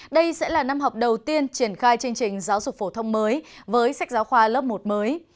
đây sẽ là năm học đầu tiên triển khai chương trình giáo dục phổ thông mới với sách giáo khoa lớp một mới